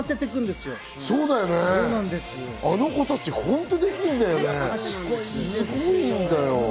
すごいんだよ。